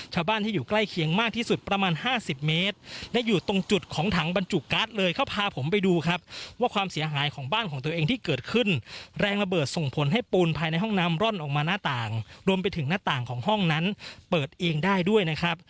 ชาบ้านที่ยูใกล้เคียงมากที่สุดประมาณ๕๐เมตรอยู่ตรงจุดของถังบรรจุการ์ดเลย